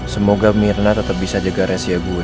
semoga mirna tetep bisa jaga reaksi ya gue